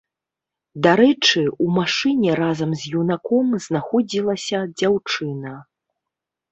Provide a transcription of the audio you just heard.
Дарэчы, у машыне разам з юнаком знаходзілася дзяўчына.